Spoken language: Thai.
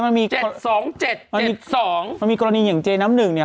มีมีกรณีเจ๊น้ำหนึ่งเนี่ย